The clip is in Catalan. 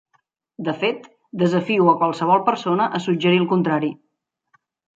De fet, desafio a qualsevol persona a suggerir el contrari.